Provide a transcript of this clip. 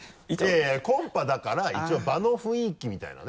いやいやコンパだから一応場の雰囲気みたいなね。